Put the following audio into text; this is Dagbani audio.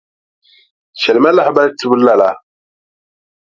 Chɛli ma lahabali tibu lala.